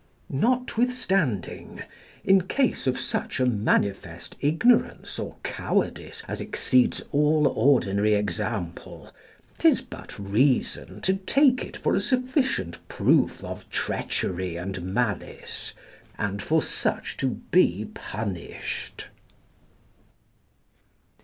Notwithstanding, in case of such a manifest ignorance or cowardice as exceeds all ordinary example, 'tis but reason to take it for a sufficient proof of treachery and malice, and for such to be punished.